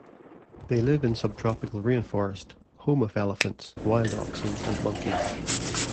They live in subtropical rainforest, home of elephants, wild oxen and monkeys.